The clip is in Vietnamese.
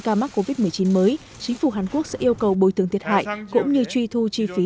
ca mắc covid một mươi chín mới chính phủ hàn quốc sẽ yêu cầu bồi tường thiệt hại cũng như truy thu chi phí